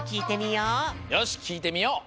よしきいてみよう！